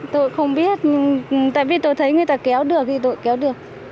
tôi không biết tại vì tôi thấy người ta kéo được thì tôi kéo được